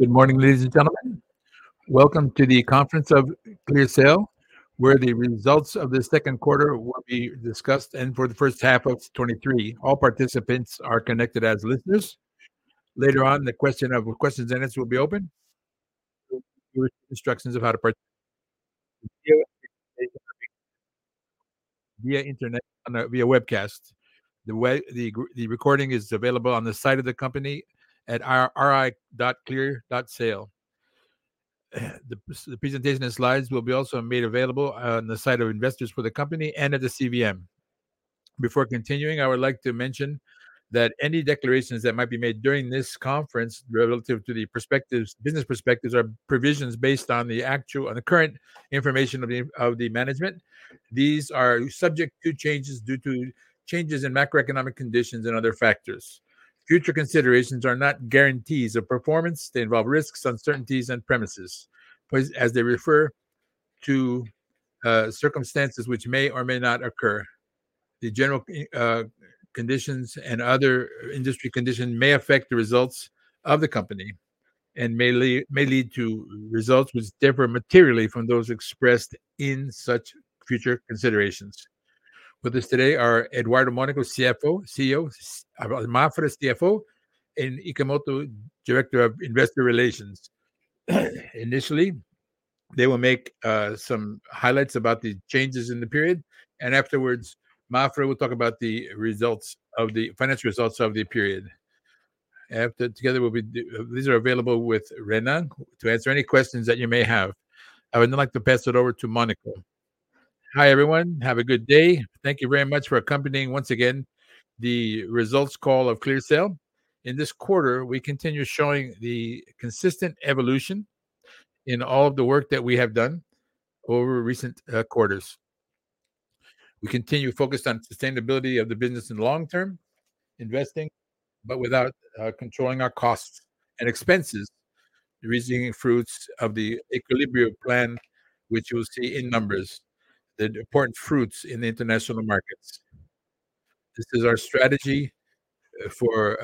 Good morning, ladies and gentlemen. Welcome to the conference of ClearSale, where the results of the second quarter will be discussed, and for the first half 2023. All participants are connected as listeners. Later on, the question of questions and answers will be open. Instructions of how to part- via internet, via webcast. The recording is available on the site of the company at ri.clear.sale. The presentation and slides will be also made available on the site of investors for the company and at the CVM. Before continuing, I would like to mention that any declarations that might be made during this conference relative to the perspectives, business perspectives, are provisions based on the current information of the, of the management. These are subject to changes due to changes in macroeconomic conditions and other factors. Future considerations are not guarantees of performance. They involve risks, uncertainties and premises, as they refer to circumstances which may or may not occur. The general conditions and other industry conditions may affect the results of the company, and may lead, may lead to results which differ materially from those expressed in such future considerations. With us today are Eduardo Mônaco, CEO, Mafra, CFO, and Ikemoto, Director of Investor Relations. Initially, they will make some highlights about the changes in the period, and afterwards, Mafra will talk about the financial results of the period. Together, these are available with Renan to answer any questions that you may have. I would now like to pass it over to Mônaco. Hi, everyone. Have a good day. Thank you very much for accompanying once again the results call of ClearSale. In this quarter, we continue showing the consistent evolution in all of the work that we have done over recent quarters. We continue focused on sustainability of the business in long-term investing, but without controlling our costs and expenses, receiving fruits of the equilibrium plan, which you will see in numbers, the important fruits in the international markets. This is our strategy for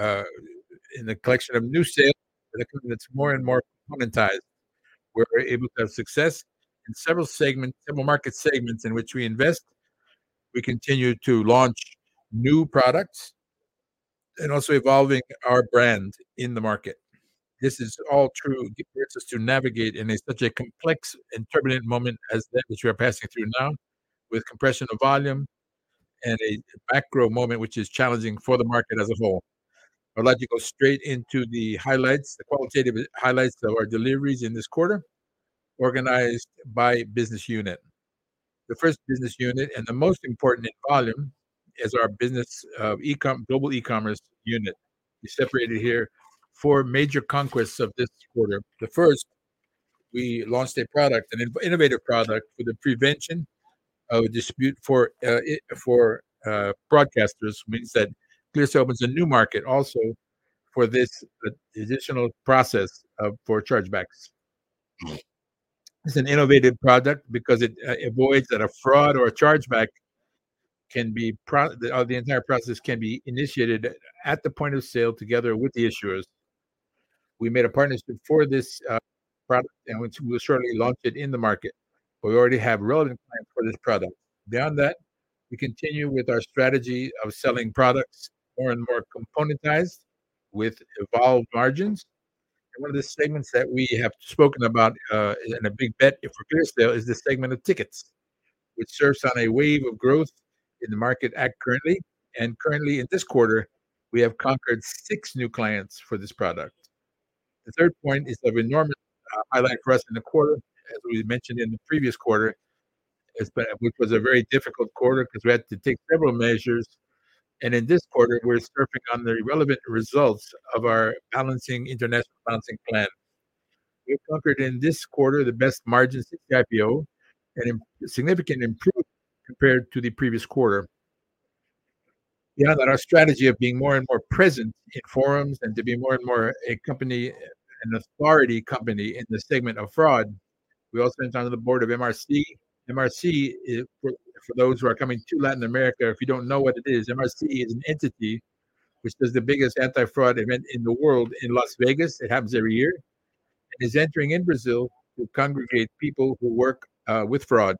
in the collection of new sales, and it's more and more componentized. We're able to have success in several segments, several market segments in which we invest. We continue to launch new products and also evolving our brand in the market. This is all true, compares us to navigate in a such a complex and turbulent moment as that which we are passing through now, with compression of volume and a macro moment, which is challenging for the market as a whole. I'd like to go straight into the highlights, the qualitative highlights of our deliveries in this quarter, organized by business unit. The first business unit, and the most important in volume, is our business of global E-commerce unit. We separated here four major conquests of this quarter. The first, we launched a product, an innovative product for the prevention of dispute for it, for broadcasters, which means that ClearSale opens a new market also for this additional process for chargebacks. It's an innovative product because it avoids that a fraud or a chargeback can be pro... The entire process can be initiated at the point of sale together with the issuers. We made a partnership for this product, which we'll shortly launch it in the market. We already have relevant plans for this product. Beyond that, we continue with our strategy of selling products more and more componentized with evolved margins. One of the segments that we have spoken about, and a big bet for ClearSale, is the segment of tickets, which surfs on a wave of growth in the market at currently. Currently in this quarter, we have conquered six new clients for this product. The third point is of enormous highlight for us in the quarter, as we mentioned in the previous quarter, which was a very difficult quarter because we had to take several measures, and in this quarter, we're surfing on the relevant results of our balancing, international balancing plan. We've conquered in this quarter, the best margins in Scipio, and a significant improvement compared to the previous quarter. Beyond that, our strategy of being more and more present in forums and to be more and more a company, an authority company in the segment of fraud, we also went onto the board of MRC. MRC, for those who are coming to Latin America, if you don't know what it is, MRC is an entity which does the biggest anti-fraud event in the world in Las Vegas. It happens every year, is entering in Brazil to congregate people who work with fraud.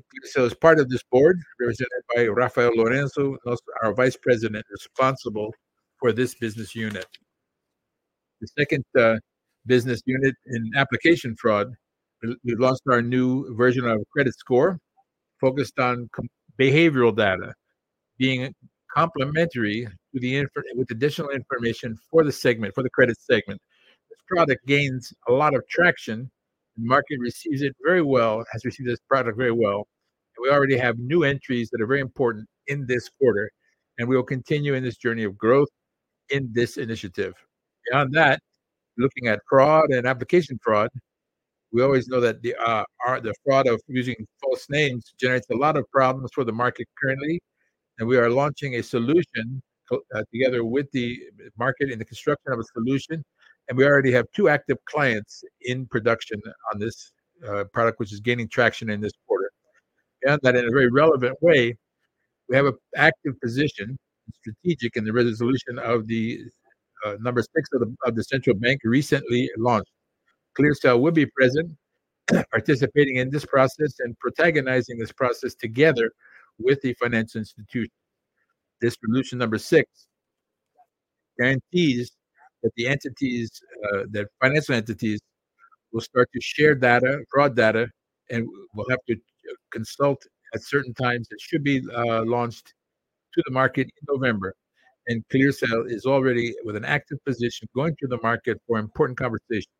ClearSale is part of this board, represented by Rafael Lourenço, also our Vice President, responsible for this business unit. The second business unit in Application Fraud, we, we've launched our new version of credit score, focused on behavioral data, being complimentary to with additional information for the segment, for the credit segment. This product gains a lot of traction, market receives it very well, has received this product very well, and we already have new entries that are very important in this quarter, and we will continue in this journey of growth in this initiative. Beyond that, looking at fraud and Application Fraud, we always know that the fraud of using false names generates a lot of problems for the market currently, and we are launching a solution together with the market in the construction of a solution, and we already have two active clients in production on this product, which is gaining traction in this quarter. That in a very relevant way, we have a active position and strategic in the resolution of the number six of the central bank recently launched. ClearSale will be present, participating in this process and protagonizing this process together with the financial institution. This resolution number six, guarantees that the entities, the financial entities will start to share data, broad data, and will have to consult at certain times. It should be launched to the market in November. ClearSale is already with an active position going to the market for important conversations,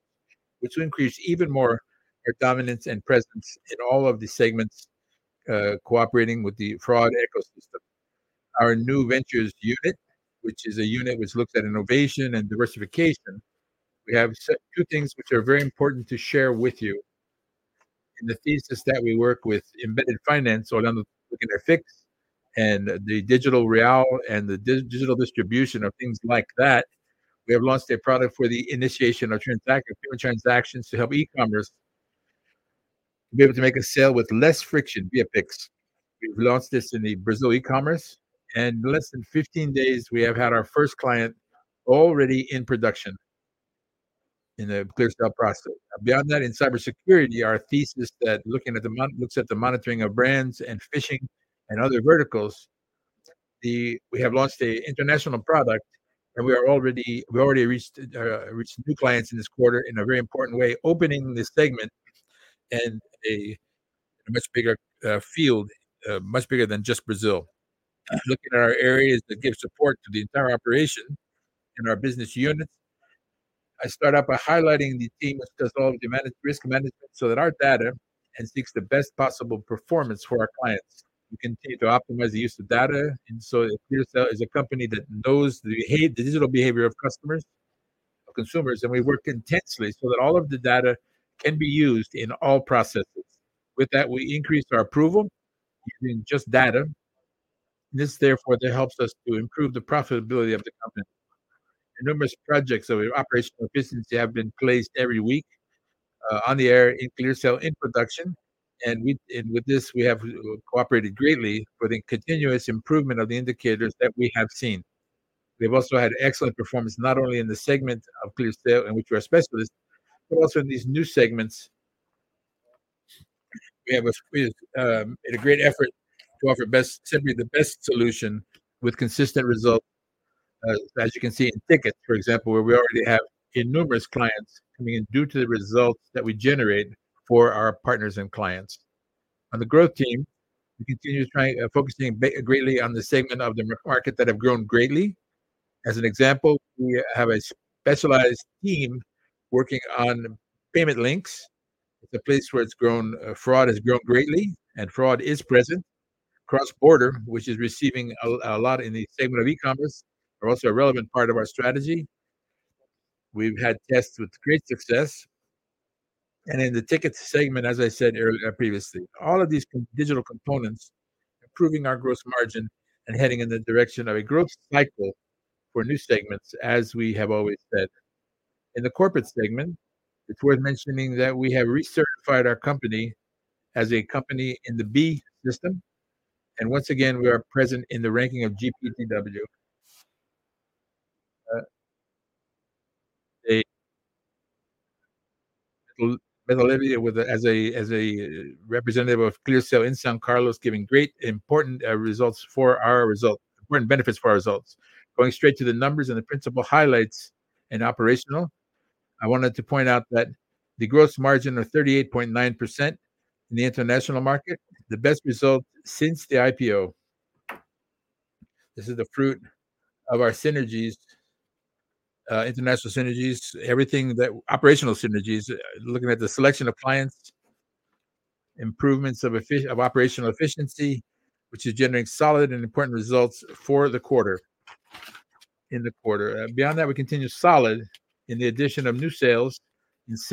which will increase even more our dominance and presence in all of the segments, cooperating with the fraud ecosystem. Our new ventures unit, which is a unit which looks at innovation and diversification, we have two things which are very important to share with you. In the thesis that we work with embedded finance, so looking at Pix and the Digital Real and the digital distribution of things like that, we have launched a product for the initiation of payment transactions to help E-commerce be able to make a sale with less friction via Pix. We've launched this in the Brazil E-commerce. In less than 15 days, we have had our first client already in production in the ClearSale process. Beyond that, in cybersecurity, our thesis that looking at the looks at the monitoring of brands and phishing and other verticals, the. We have launched a international product. We already reached new clients in this quarter in a very important way, opening this segment in a much bigger field, much bigger than just Brazil. Looking at our areas that give support to the entire operation in our business units, I start out by highlighting the team which does all of the risk management, so that our data instincts the best possible performance for our clients. We continue to optimize the use of data. ClearSale is a company that knows the digital behavior of customers, of consumers. We work intensely so that all of the data can be used in all processes. With that, we increased our approval using just data. This, therefore, helps us to improve the profitability of the company. Numerous projects of operational efficiency have been placed every week on the air in ClearSale in production, and with this, we have cooperated greatly for the continuous improvement of the indicators that we have seen. We've also had excellent performance, not only in the segment of ClearSale, in which we are specialists, but also in these new segments. We have we have made a great effort to offer best, simply the best solution with consistent results, as you can see in tickets, for example, where we already have innumerous clients coming in due to the results that we generate for our partners and clients. On the growth team, we continue to focusing greatly on the segment of the market that have grown greatly. As an example, we have a specialized team working on payment links. It's a place where it's grown, fraud has grown greatly and fraud is present. Cross-border, which is receiving a lot in the segment of E-commerce, are also a relevant part of our strategy. We've had tests with great success, in the ticket segment, as I said previously, all of these digital components improving our gross margin and heading in the direction of a growth cycle for new segments, as we have always said. In the corporate segment, it's worth mentioning that we have recertified our company as a company in the B System, and once again, we are present in the ranking of GPTW. With Olivia, as a representative of ClearSale in São Carlos, giving great important benefits for our results. Going straight to the numbers and the principal highlights in operational, I wanted to point out that the gross margin of 38.9% in the international market, the best result since the IPO. This is the fruit of our synergies, international synergies, operational synergies, looking at the selection of clients, improvements of operational efficiency, which is generating solid and important results for the quarter, in the quarter. Beyond that, we continue solid in the addition of new sales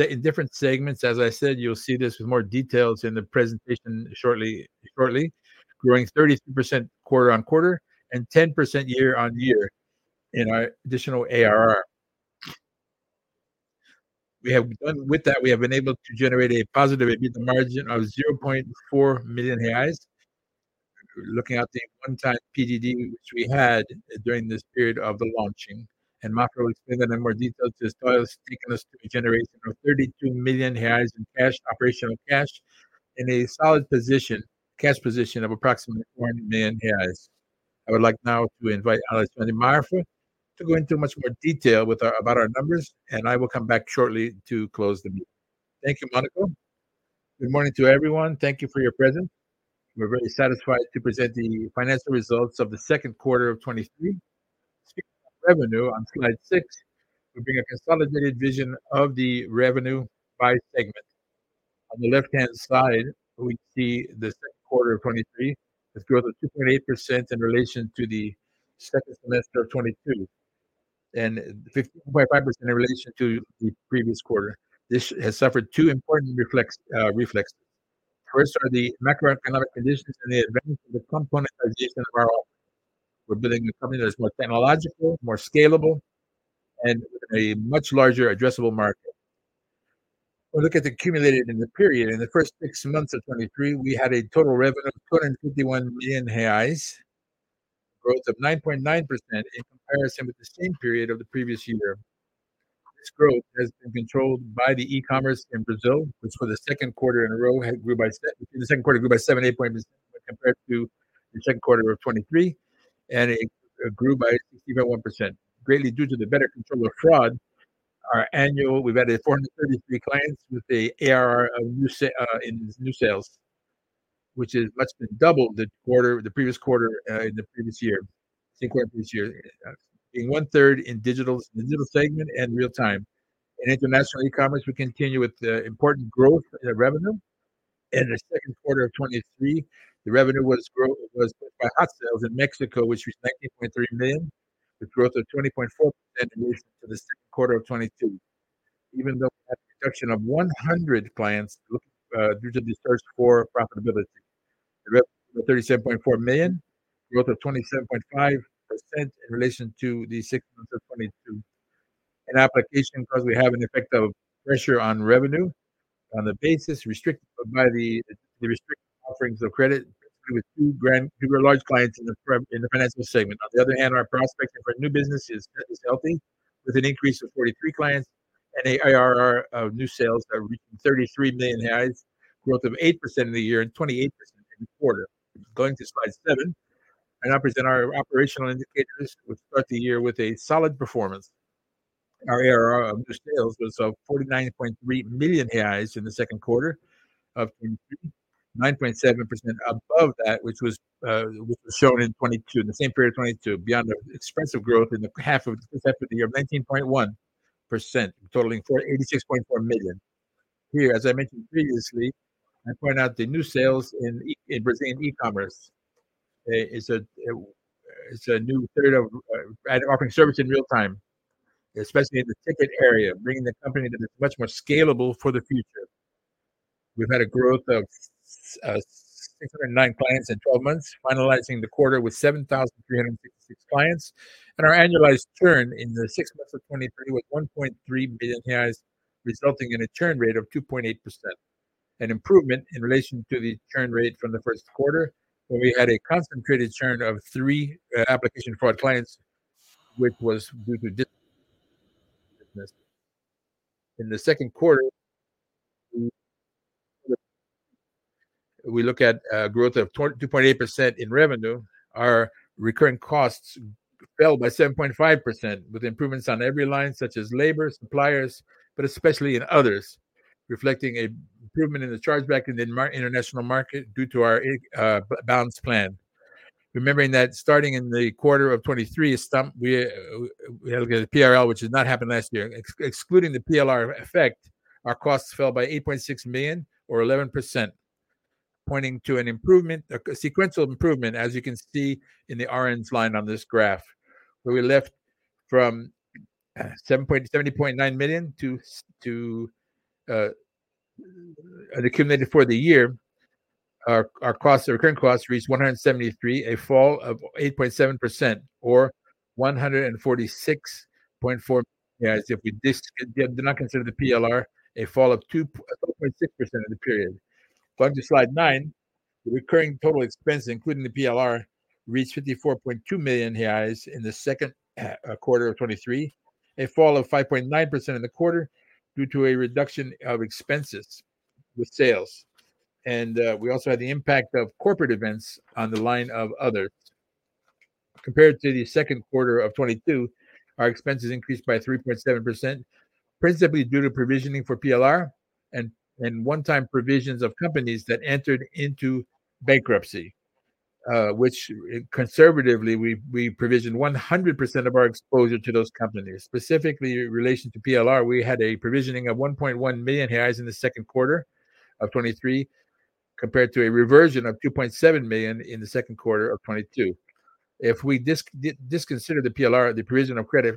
in different segments. As I said, you'll see this with more details in the presentation shortly, shortly. Growing 32% quarter-on-quarter and 10% year-on-year in our additional ARR. With that, we have been able to generate a positive EBITDA margin of 0.4 million reais. Looking at the one-time PDD, which we had during this period of the launching, Mafra will explain that in more detail. This has taken us to a generation of 32 million reais in cash, operational cash, in a solid position, cash position of approximately 1 million. I would like now to invite Alexandre Mafra to go into much more detail about our numbers. I will come back shortly to close the meeting. Thank you, Mônaco. Good morning to everyone. Thank you for your presence. We're very satisfied to present the financial results of the second quarter of 2023. Speaking of revenue, on slide six, we bring a consolidated vision of the revenue by segment. On the left-hand side, we see the second quarter of 2023 has grown to 2.8% in relation to the second semester of 2022, and 15.5% in relation to the previous quarter. This has suffered two important reflex, reflexes. First are the macroeconomic conditions and the advancement of the component of JSON firewall. We're building a company that's more technological, more scalable, and a much larger addressable market.... Well, look at the accumulated in the period. In the first 6 months of 2023, we had a total revenue of 251 million reais, growth of 9.9% in comparison with the same period of the previous year. This growth has been controlled by the E-commerce in Brazil, which for the second quarter in a row, had grew by the second quarter grew by 7.8% when compared to the second quarter of 2023, and it grew by 60.1%. Greatly due to the better control of fraud, our annual. We've added 433 clients with a ARR of new sa- in new sales, which is, that's been double the quarter, the previous quarter, in the previous year, second quarter of this year. In one third in digital, the digital segment and real time. In international E-commerce, we continue with the important growth in revenue. In the second quarter of 2023, the revenue was by Hot Sale in Mexico, which was 19.3 million, with growth of 20.4% in relation to the second quarter of 2022. Even though we had a reduction of 100 clients, due to the search for profitability. The 37.4 million, grew up to 27.5% in relation to the six months of 2022. In application, because we have an effect of pressure on revenue on the basis restricted by the, the restricted offerings of credit with two large clients in the financial segment. On the other hand, our prospects for new business is, is healthy, with an increase of 43 clients and a ARR of new sales are reaching 33 million, growth of 8% in the year and 28% in the quarter. Going to slide seven, I now present our operational indicators, which start the year with a solid performance. Our ARR of new sales was 49.3 million reais in the second quarter of 2023, 9.7% above that, which was shown in 2022, in the same period of 2022, beyond the expressive growth in the half of the year, 19.1%, totaling 86.4 million. Here, as I mentioned previously, I point out the new sales in Brazilian E-commerce. It's a new period of offering service in real time, especially in the ticket area, bringing the company to be much more scalable for the future. We've had a growth of 609 clients in 12 months, finalizing the quarter with 7,366 clients. Our annualized churn in the six months of 2023 was 1.3 billion reais, resulting in a churn rate of 2.8%. An improvement in relation to the churn rate from the first quarter, where we had a concentrated churn of three application for our clients, which was due to business. In the second quarter, we look at growth of 2.8% in revenue. Our recurring costs fell by 7.5%, with improvements on every line, such as labor, suppliers, but especially in others, reflecting a improvement in the chargeback in the international market due to our balance plan. Remembering that starting in the quarter of 2023, we had a PLR, which did not happen last year. Excluding the PLR effect, our costs fell by 8.6 million or 11%, pointing to an improvement, a sequential improvement, as you can see in the orange line on this graph, where we left from 70.9 million to an accumulated for the year, our costs, our recurring costs reached 173, a fall of 8.7% or 146.4... As if we do not consider the PLR, a fall of 2.6% of the period. Going to slide nine, the recurring total expense, including the PLR, reached 54.2 million reais in the second quarter of 2023, a fall of 5.9% in the quarter due to a reduction of expenses with sales. We also had the impact of corporate events on the line of other. Compared to the second quarter of 2022, our expenses increased by 3.7%, principally due to provisioning for PLR and one-time provisions of companies that entered into bankruptcy, which conservatively, we, we provisioned 100% of our exposure to those companies. Specifically, in relation to PLR, we had a provisioning of 1.1 million reais in the second quarter of 2023, compared to a reversion of 2.7 million in the second quarter of 2022. If we disconsider the PLR, the provision of credit,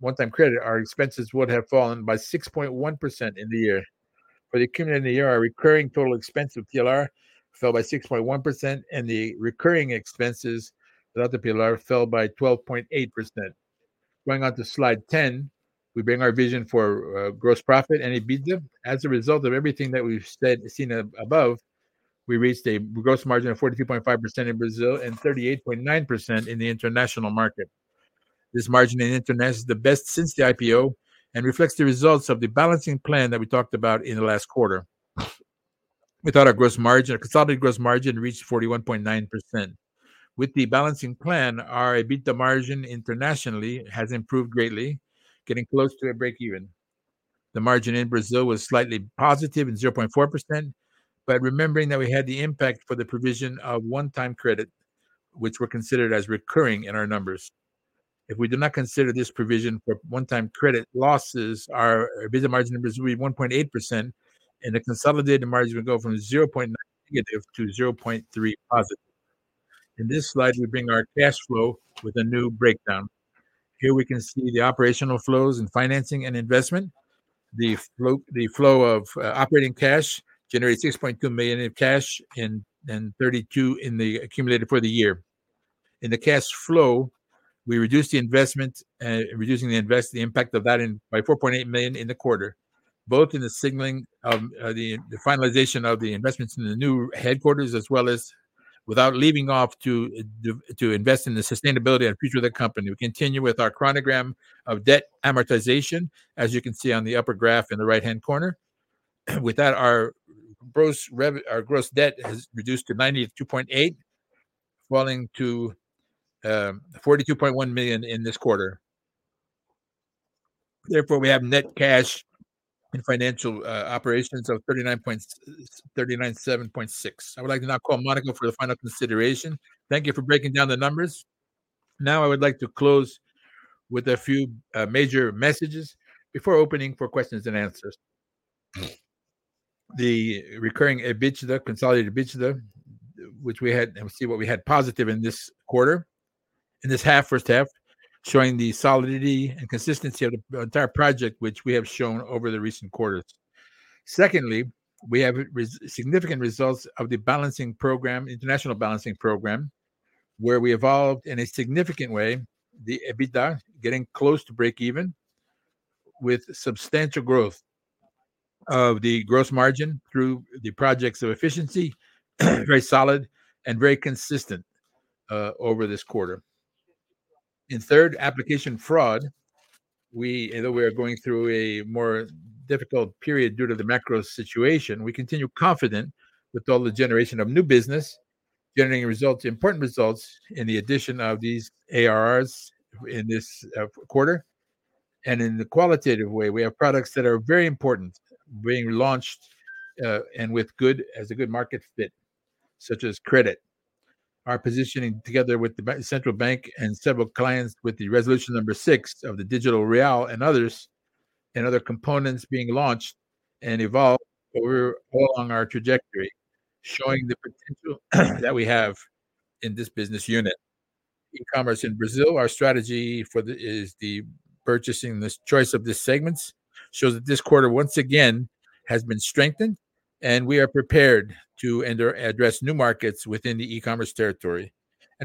one-time credit, our expenses would have fallen by 6.1% in the year. For the accumulated in the year, our recurring total expense of PLR fell by 6.1%, and the recurring expenses without the PLR fell by 12.8%. Going on to slide 10, we bring our vision for gross profit and EBITDA. As a result of everything that we've seen above, we reached a gross margin of 42.5% in Brazil and 38.9% in the international market. This margin in international is the best since the IPO and reflects the results of the balancing plan that we talked about in the last quarter. Without our gross margin, our consolidated gross margin reached 41.9%. With the balancing plan, our EBITDA margin internationally has improved greatly, getting close to a break-even. The margin in Brazil was slightly positive at 0.4%, remembering that we had the impact for the provision of one-time credit, which were considered as recurring in our numbers. If we do not consider this provision for one-time credit, losses, our EBITDA margin in Brazil will be 1.8%, and the consolidated margin would go from -0.9% to +0.3%. In this slide, we bring our cash flow with a new breakdown. Here we can see the operational flows in financing and investment. The flow, the flow of operating cash generated 6.2 million in cash and, and 32 million in the accumulated for the year. In the cash flow, we reduced the investment and reducing the invest- the impact of that in by 4.8 million in the quarter, both in the signaling of the, the finalization of the investments in the new headquarters, as well as without leaving off to, to, to invest in the sustainability and future of the company. We continue with our chronogram of debt amortization, as you can see on the upper graph in the right-hand corner. With that, our gross rev-- our gross debt has reduced to 92.8 million, falling to 42.1 million in this quarter. Therefore, we have net cash in financial operations of 397.6. I would like to now call Mônaco for the final consideration. Thank you for breaking down the numbers. Now, I would like to close with a few major messages before opening for questions and answers. The recurring EBITDA, consolidated EBITDA, let me see what we had positive in this quarter, in this half, first half, showing the solidity and consistency of the entire project, which we have shown over the recent quarters. Secondly, we have significant results of the balancing program, international balancing program, where we evolved in a significant way, the EBITDA, getting close to break-even, with substantial growth of the gross margin through the projects of efficiency, very solid and very consistent over this quarter. In third, Application Fraud. We, although we are going through a more difficult period due to the macro situation, we continue confident with all the generation of new business, generating results, important results, in the addition of these ARRs in this quarter. In the qualitative way, we have products that are very important being launched, and with as a good market fit, such as credit. Our positioning together with the central bank and several clients with the Resolution No. 6 of the digital real and others, and other components being launched and evolved over along our trajectory, showing the potential that we have in this business unit. E-commerce in Brazil, our strategy for the purchasing, this choice of this segments, shows that this quarter, once again, has been strengthened, and we are prepared to address new markets within the E-commerce territory.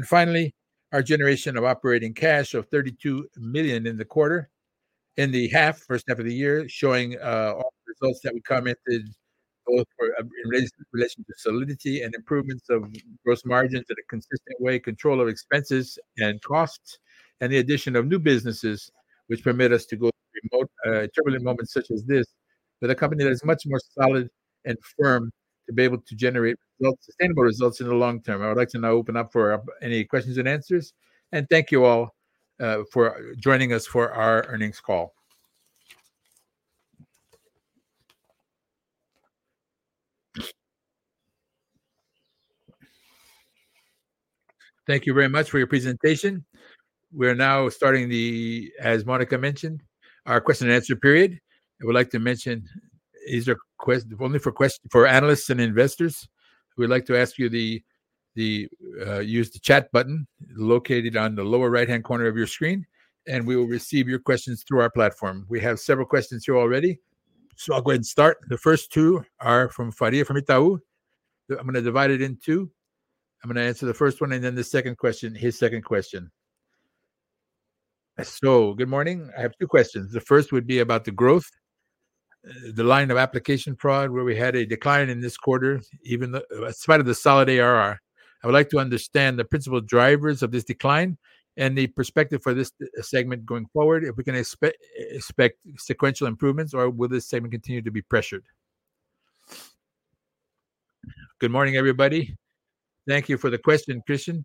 Finally, our generation of operating cash of 32 million in the quarter, in the half, first half of the year, showing all the results that we commented, both for, in relation to solidity and improvements of gross margins in a consistent way, control of expenses and costs, and the addition of new businesses, which permit us to go through remote, turbulent moments such as this, with a company that is much more solid and firm to be able to generate sustainable results in the long term. I would like to now open up for any questions and answers. Thank you all for joining us for our earnings call. Thank you very much for your presentation. We are now starting the, as Mônaco mentioned, our question and answer period. I would like to mention, these are only for analysts and investors. We'd like to ask you the, the, use the chat button located on the lower right-hand corner of your screen, and we will receive your questions through our platform. We have several questions here already, so I'll go ahead and start. The first two are from Fádia, from Itaú. I'm going to divide it in two. I'm going to answer the first one, and then the second question, his second question. Good morning. I have two questions. The first would be about the growth, the line of Application Fraud, where we had a decline in this quarter, even though-- despite of the solid ARR. I would like to understand the principal drivers of this decline and the perspective for this segment going forward, if we can expe-expect sequential improvements, or will this segment continue to be pressured? Good morning, everybody. Thank you for the question, Fádia.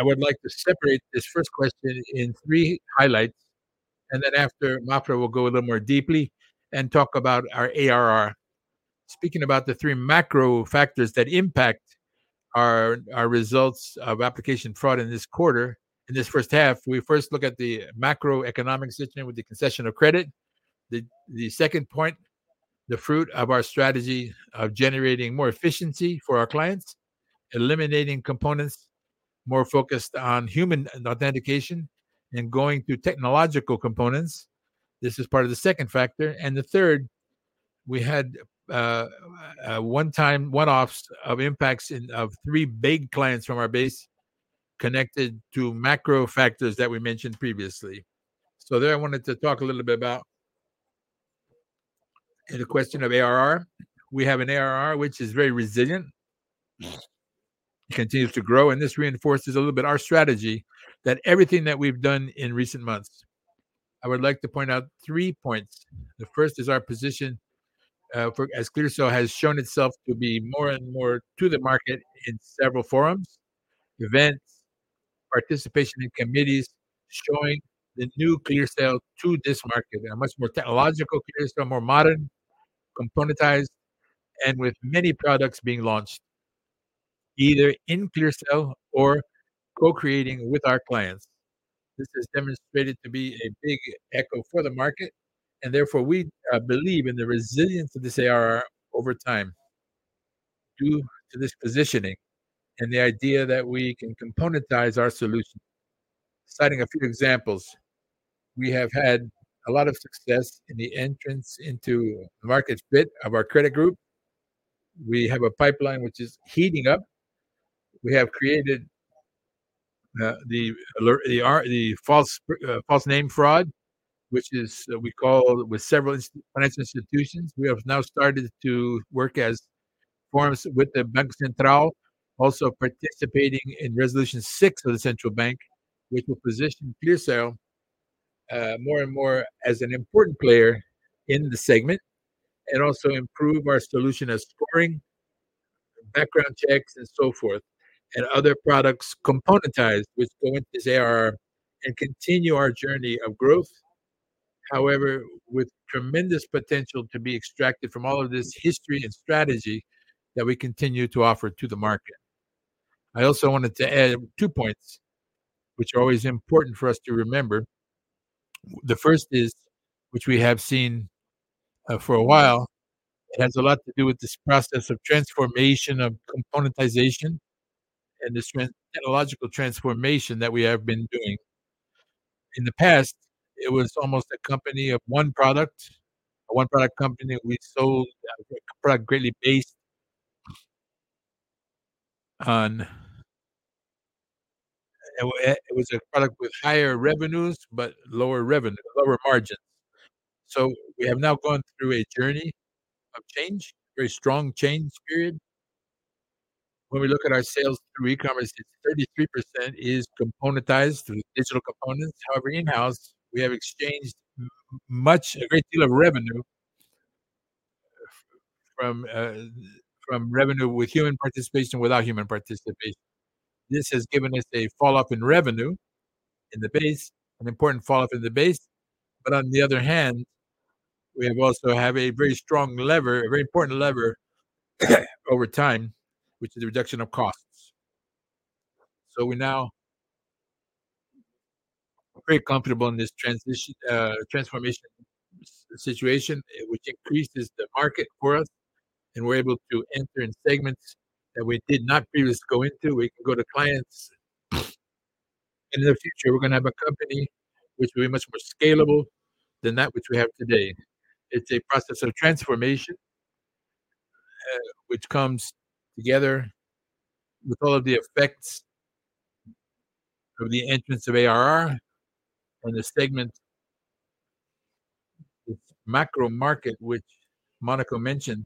I would like to separate this first question in three highlights. Then after, Mafra will go a little more deeply and talk about our ARR. Speaking about the three macro factors that impact our, our results of Application Fraud in this quarter, in this first half, we first look at the macroeconomic situation with the concession of credit. The second point, the fruit of our strategy of generating more efficiency for our clients, eliminating components more focused on human authentication and going through technological components. This is part of the second factor. The third, we had one-time one-offs of impacts of three big clients from our base connected to macro factors that we mentioned previously. There, I wanted to talk a little bit about the question of ARR. We have an ARR which is very resilient, continues to grow. This reinforces a little bit our strategy that everything that we've done in recent months. I would like to point out three points. The first is our position, for as ClearSale has shown itself to be more and more to the market in several forums, events, participation in committees, showing the new ClearSale to this market, a much more technological ClearSale, more modern, componentized, and with many products being launched, either in ClearSale or co-creating with our clients. This has demonstrated to be a big echo for the market. Therefore, we believe in the resilience of this ARR over time, due to this positioning and the idea that we can componentize our solution. Citing a few examples, we have had a lot of success in the entrance into the market bit of our credit group. We have a pipeline which is heating up. We have created the false name fraud, which is we call with several financial institutions. We have now started to work as forums with the Banco Central, also participating in Resolution No. 6 of the Central Bank, which will position ClearSale more and more as an important player in the segment, and also improve our solution as scoring, background checks, and so forth, and other products componentized, which go into ARR and continue our journey of growth. With tremendous potential to be extracted from all of this history and strategy that we continue to offer to the market. I also wanted to add two points, which are always important for us to remember. The first is, which we have seen, for a while, it has a lot to do with this process of transformation, of componentization, and this technological transformation that we have been doing. In the past, it was almost a company of one product, a one-product company. We sold a product greatly based on... it was a product with higher revenues, but lower margins. We have now gone through a journey of change, a very strong change period. When we look at our sales through E-commerce, it's 33% is componentized through digital components. However, in-house, we have exchanged a great deal of revenue from, from revenue with human participation, without human participation. This has given us a follow-up in revenue in the base, an important follow-up in the base. On the other hand, we have also have a very strong lever, a very important lever, over time, which is the reduction of costs. We're now very comfortable in this transition, transformation situation, which increases the market for us, and we're able to enter in segments that we did not previously go into. We can go to clients. In the future, we're going to have a company which will be much more scalable than that which we have today. It's a process of transformation, which comes together with all of the effects of the entrance of ARR on the segment. It's macro market, which Mônaco mentioned.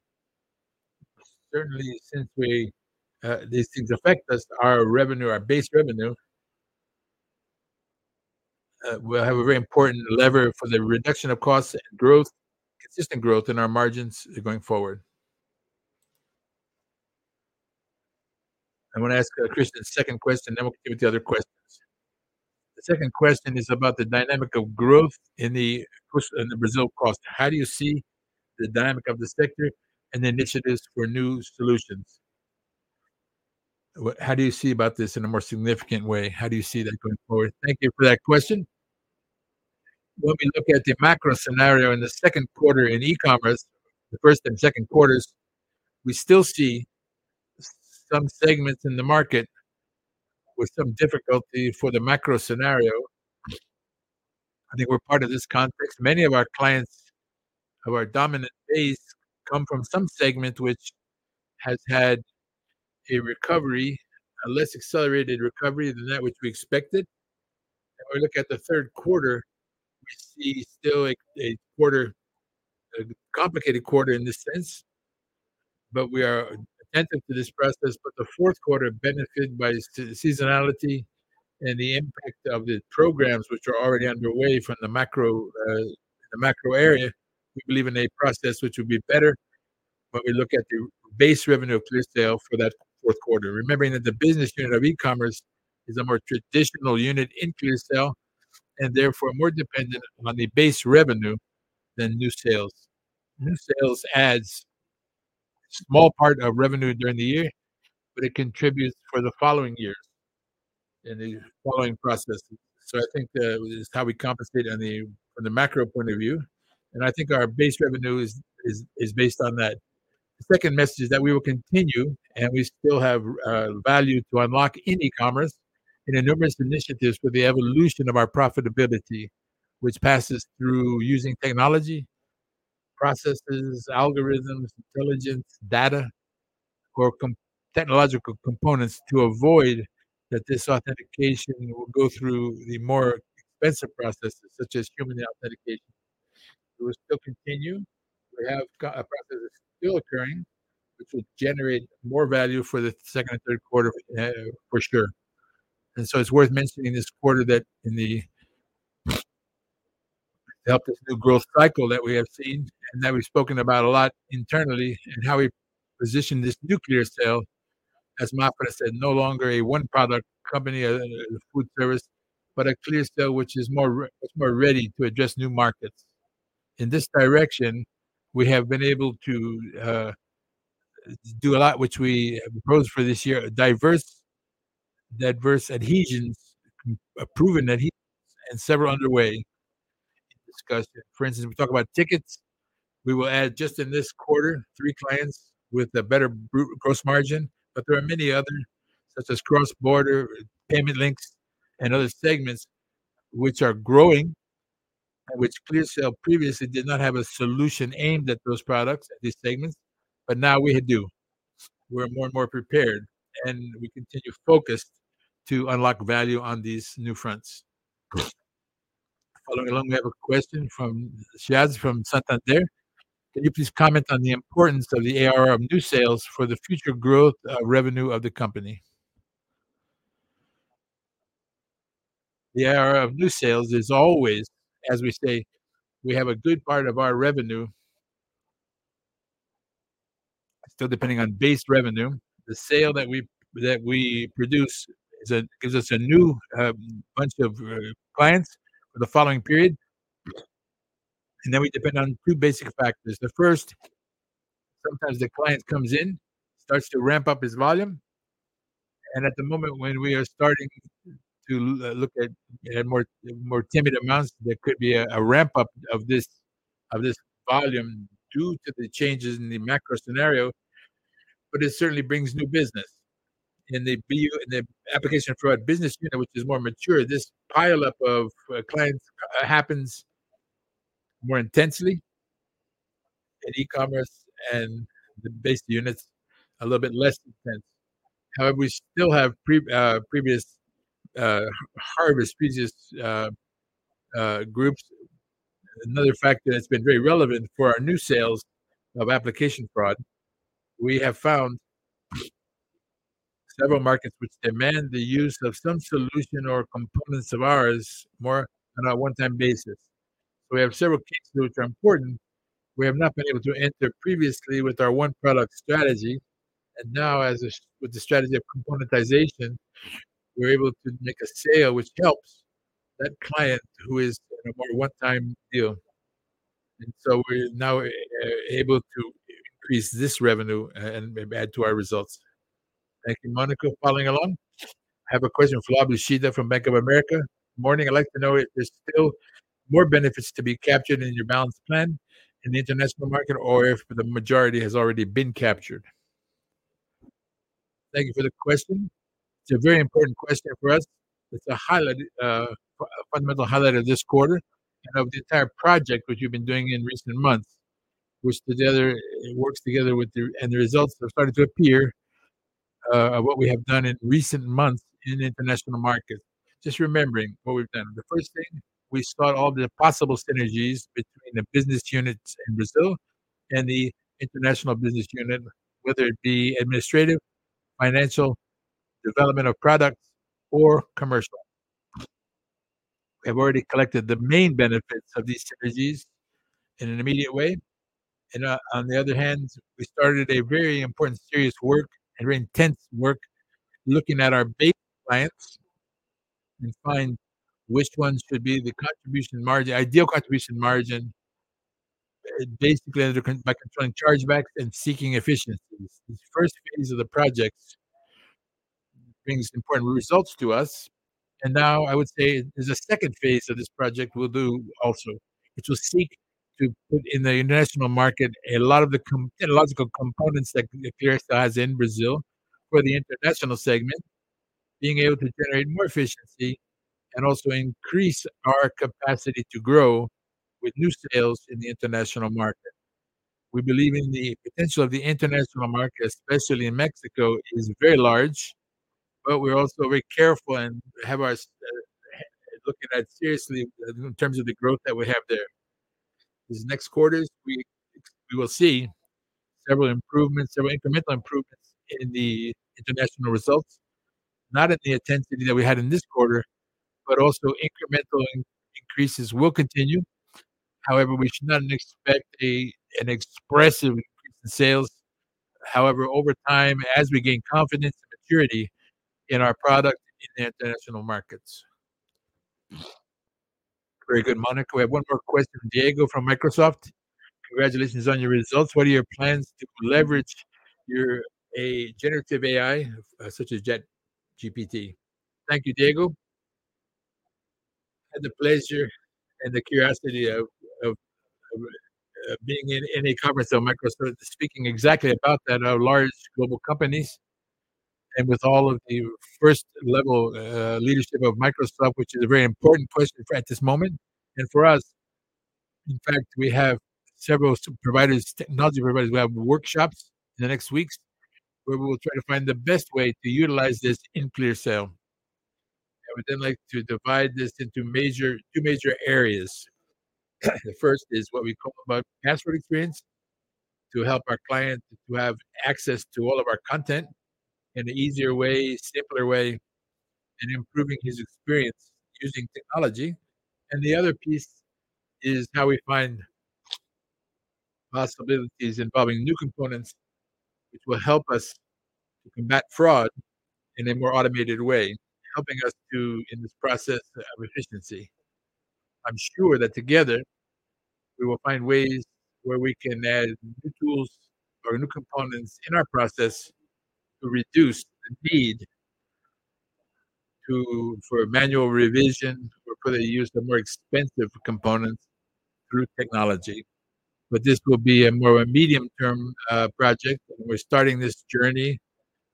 Certainly, since we, these things affect us, our revenue, our base revenue, we'll have a very important lever for the reduction of costs and growth, consistent growth in our margins going forward. I'm going to ask Fádia's second question. We'll continue with the other questions. The second question is about the dynamic of growth in the Brazil cost. How do you see the dynamic of the sector and the initiatives for new solutions? How do you see about this in a more significant way? How do you see that going forward? Thank you for that question. When we look at the macro scenario in the second quarter in E-commerce, the first and second quarters, we still see some segments in the market with some difficulty for the macro scenario. I think we're part of this context. Many of our clients, who are dominant base, come from some segment which has had a recovery, a less accelerated recovery than that which we expected. If we look at the 3rd quarter, we see still a complicated quarter in this sense. We are attentive to this process. The 4th quarter, benefited by seasonality and the impact of the programs which are already underway from the macro, the macro area, we believe in a process which will be better when we look at the base revenue of ClearSale for that 4th quarter. Remembering that the business unit of E-commerce is a more traditional unit in ClearSale. Therefore, more dependent on the base revenue than new sales. New sales adds small part of revenue during the year. It contributes for the following years in the following process. I think that is how we compensate from the macro point of view. I think our base revenue is based on that. The second message is that we will continue, and we still have value to unlock in E-commerce in numerous initiatives for the evolution of our profitability, which passes through using technology, processes, algorithms, intelligence, data, or technological components to avoid that this authentication will go through the more expensive processes, such as human authentication. It will still continue. We have a process that's still occurring, which will generate more value for the second and third quarter for sure. So it's worth mentioning this quarter that in the, helped this new growth cycle that we have seen and that we've spoken about a lot internally, and how we position this new ClearSale, as Mafra said, no longer a one-product company, food service, but a ClearSale which is much more ready to address new markets. In this direction, we have been able to do a lot, which we proposed for this year, diverse, diverse adhesions, proven adhesions and several underway.... discussed it. For instance, we talk about tickets, we will add just in this quarter, three clients with a better brute gross margin. There are many other, such as cross-border payment links and other segments which are growing, and which ClearSale previously did not have a solution aimed at those products, at these segments, but now we do. We're more and more prepared, and we continue focused to unlock value on these new fronts. Following along, we have a question from Shaz, from Santander: "Can you please comment on the importance of the ARR of new sales for the future growth, revenue of the company?" The ARR of new sales is always, as we say, we have a good part of our revenue still depending on base revenue. The sale that we, that we produce gives us a new bunch of clients for the following period, and then we depend on two basic factors. The first, sometimes the client comes in, starts to ramp up his volume, and at the moment when we are starting to look at, at more, more timid amounts, there could be a, a ramp-up of this, of this volume due to the changes in the macro scenario, but it certainly brings new business. In the Application Fraud business unit, which is more mature, this pileup of clients happens more intensely in E-commerce and the base units, a little bit less intense. However, we still have previous harvest previous groups. Another factor that's been very relevant for our new sales of Application Fraud, we have found several markets which demand the use of some solution or components of ours more on a one-time basis. We have several cases which are important. We have not been able to enter previously with our one-product strategy, and now, as with the strategy of componentization, we're able to make a sale which helps that client who is on a more one-time deal. We're now able to increase this revenue and add to our results. Thank you, Mônaco. Following along, I have a question from Abushid from Bank of America. "Morning, I'd like to know if there's still more benefits to be captured in your balance plan in the international market, or if the majority has already been captured?" Thank you for the question. It's a very important question for us. It's a highlight, a fundamental highlight of this quarter and of the entire project, which we've been doing in recent months. The results are starting to appear, what we have done in recent months in the international market. Just remembering what we've done. The first thing, we sought all the possible synergies between the business units in Brazil and the international business unit, whether it be administrative, financial, development of products, or commercial. We have already collected the main benefits of these synergies in an immediate way. On the other hand, we started a very important, serious work and very intense work, looking at our base clients and find which ones should be the contribution margin, ideal contribution margin, basically, by controlling chargebacks and seeking efficiencies. This first phase of the project brings important results to us, and now I would say there's a second phase of this project we'll do also, which will seek to put in the international market a lot of the technological components that ClearSale has in Brazil for the international segment, being able to generate more efficiency and also increase our capacity to grow with new sales in the international market. We believe in the potential of the international market, especially in Mexico, is very large, but we're also very careful and have our looking at seriously in terms of the growth that we have there. These next quarters, we, we will see several improvements, several incremental improvements in the international results. Not at the intensity that we had in this quarter, but also incremental increases will continue. However, we should not expect an expressive increase in sales, however, over time, as we gain confidence and maturity in our product in the international markets. Very good, Mônaco. We have one more question, Diego from Microsoft. "Congratulations on your results. What are your plans to leverage your generative AI such as ChatGPT?" Thank you, Diego. I had the pleasure and the curiosity of being in a conference on Microsoft, speaking exactly about that, large global companies and with all of the first-level leadership of Microsoft, which is a very important question for at this moment. For us, in fact, we have several providers, technology providers. We have workshops in the next weeks, where we will try to find the best way to utilize this in ClearSale. I would then like to divide this into major, two major areas. The first is what we call about password experience, to help our client to have access to all of our content in an easier way, simpler way, and improving his experience using technology. The other piece is how we find possibilities involving new components, which will help us to combat fraud in a more automated way, helping us to, in this process, have efficiency. I'm sure that together, we will find ways where we can add new tools or new components in our process to reduce the need-... to, for manual revision, or could they use the more expensive components through technology? But this will be a more a medium-term project. We're starting this journey,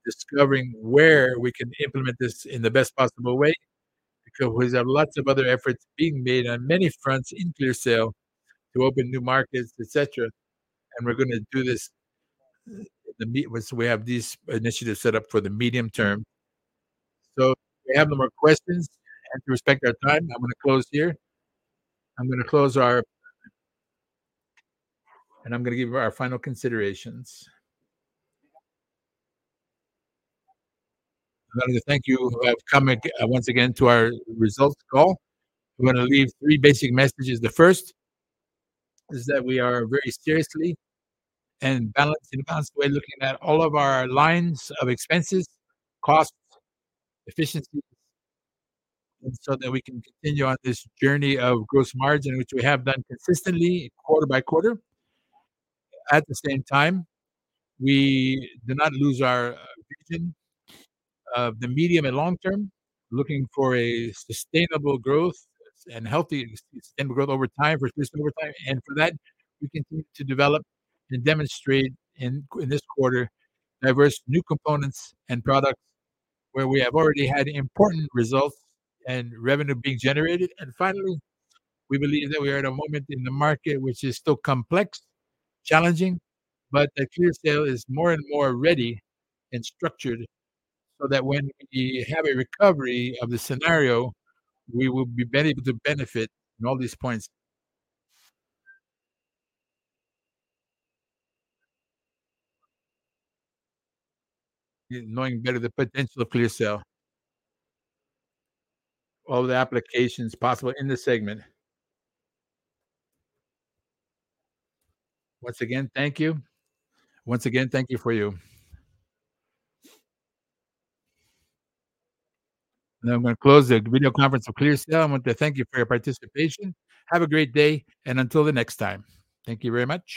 discovering where we can implement this in the best possible way, because we have lots of other efforts being made on many fronts in ClearSale to open new markets, et cetera, and we're gonna do this the me- once we have these initiatives set up for the medium term. If we have no more questions, I have to respect our time, I'm gonna close here. I'm gonna close our. I'm gonna give our final considerations. I want to thank you for coming, once again, to our results call. I'm gonna leave three basic messages. The first is that we are very seriously and balanced, in a balanced way, looking at all of our lines of expenses, costs, efficiencies, and so that we can continue on this journey of gross margin, which we have done consistently quarter by quarter. At the same time, we do not lose our vision of the medium and long term, looking for a sustainable growth and healthy, sustainable growth over time, for business over time. For that, we continue to develop and demonstrate in this quarter, diverse new components and products where we have already had important results and revenue being generated. Finally, we believe that we are at a moment in the market which is still complex, challenging, but that ClearSale is more and more ready and structured, so that when we have a recovery of the scenario, we will be better able to benefit in all these points. Knowing better the potential of ClearSale, all the applications possible in this segment. Once again, thank you. Once again, thank you for you. I'm gonna close the video conference for ClearSale. I want to thank you for your participation. Have a great day, and until the next time. Thank you very much.